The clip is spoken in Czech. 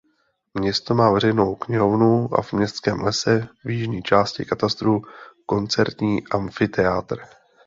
Město má veřejnou knihovnu a v městském lese v jižní části katastru koncertní amfiteátr.